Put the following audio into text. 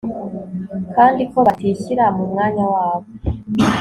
kandi ko batishyira mu mwanya wabo